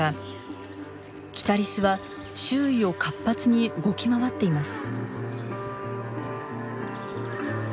キタリスは周囲を活発に動き回っています。